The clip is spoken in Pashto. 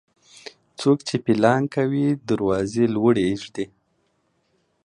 څوک چې پيلان کوي، دروازې لوړي اېږدي.